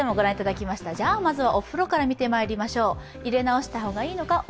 まずはお風呂から見てまいりましょう。